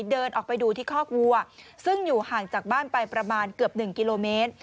เดินออกไปดูที่คอกวัวซึ่งอยู่ห่างจากบ้านไปประมาณเกือบ๑กิโลเมตร